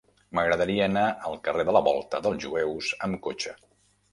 M'agradaria anar al carrer de la Volta dels Jueus amb cotxe.